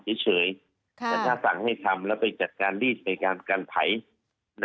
เฉยแต่ถ้าสั่งให้ทำแล้วไปจัดการรีดในการไถ